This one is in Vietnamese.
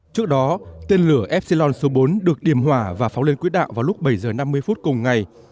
trước đó tên lửa epsilon số bốn được điểm hỏa và phóng lên quỹ đạo vào lúc bảy giờ năm mươi phút cùng ngày